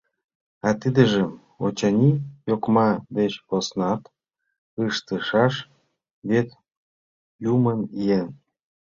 А тидыжым, очыни, йокма деч поснат ыштышаш, вет юмын еҥ.